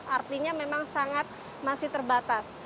artinya memang sangat masih terbatas